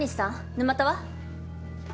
沼田は？